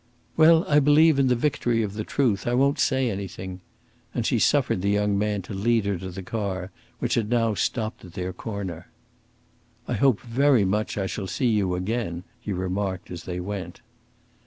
"Well, I believe in the victory of the truth. I won't say anything." And she suffered the young man to lead her to the car, which had now stopped at their corner. "I hope very much I shall see you again," he remarked, as they went.